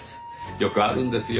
よくあるんですよ